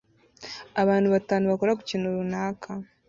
Abantu batanu bakora ku kintu runaka